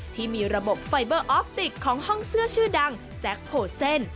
ที่มีระบบไฟเบอร์ออฟติกของห้องเสื้อชื่อดังแซคโผเซ่น